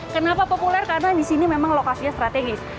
kenapa populer karena di sini memang lokasinya strategis